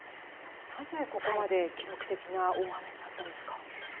なぜ、ここまで記録的な大雨になったんですか。